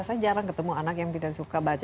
saya jarang ketemu anak yang tidak suka baca